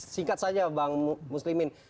singkat saja bang muslimin